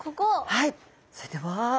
はいそれでは。